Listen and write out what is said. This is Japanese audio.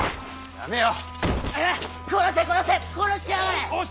やめよ！